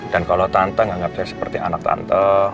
dan kalau tante anggap saya seperti anak tante